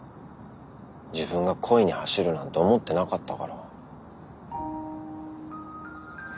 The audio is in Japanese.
自分が恋に走るなんて思ってなかったから。